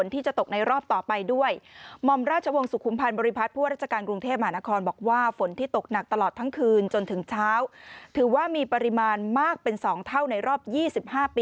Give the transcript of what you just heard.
ถนนราชดาพิเศษ